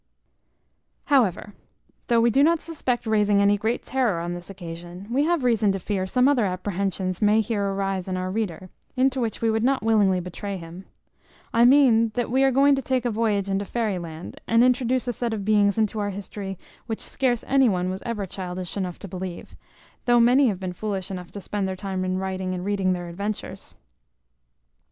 However, though we do not suspect raising any great terror on this occasion, we have reason to fear some other apprehensions may here arise in our reader, into which we would not willingly betray him; I mean that we are going to take a voyage into fairy land, and introduce a set of beings into our history, which scarce any one was ever childish enough to believe, though many have been foolish enough to spend their time in writing and reading their adventures.